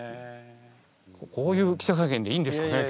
こういう記者会見でいいんですかね？